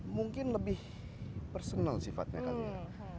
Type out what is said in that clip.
mungkin lebih personal sifatnya kali ya